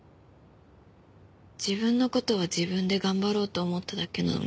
自分の事は自分で頑張ろうと思っただけなのに